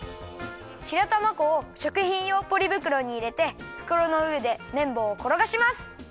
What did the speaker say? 白玉粉をしょくひんようポリぶくろにいれてふくろのうえでめんぼうをころがします。